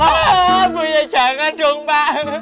oh bu ya jangan dong pak